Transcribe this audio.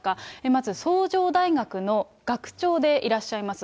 まず崇城大学の学長でいらっしゃいます。